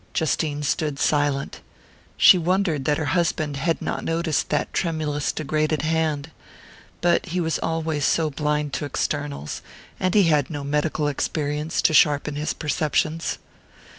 Justine stood silent. She wondered that her husband had not noticed that tremulous degraded hand. But he was always so blind to externals and he had no medical experience to sharpen his perceptions.